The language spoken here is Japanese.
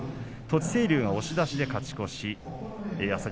栃清龍を押し出しで勝ち越し。